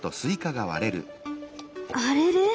あれれ？